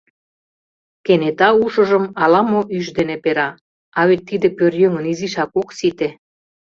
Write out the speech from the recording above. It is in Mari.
Кенета ушыжым ала-мо ӱш дене пера: а вет тиде пӧръеҥын изишак ок сите...